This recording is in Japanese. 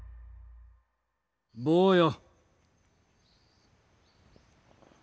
坊よ。